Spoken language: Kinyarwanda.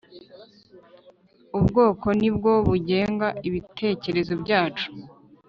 Ubwonko ni bwo bugenga ibitekerezo byacu.